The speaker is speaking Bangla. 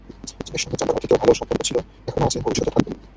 চীনের সঙ্গে জাপার অতীতেও ভালো সম্পর্ক ছিল, এখনো আছে, ভবিষ্যতেও থাকবে।